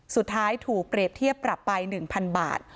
สุดท้ายถูกเปรียบเทียบปรับไป๑๐๐๐บาท